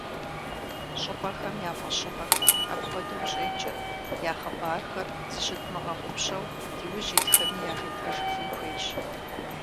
Щӏыпӏэхэм я фӏэщыгъэхэр, апхуэдэу щӏеджэр, я хъыбархэр зыщыдмыгъэгъупщэу диужь итхэми яжетӏэжыфын хуейщ.